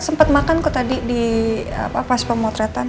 sempet makan aku tadi di pas pemotretan